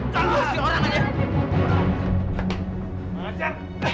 tidur si orang aja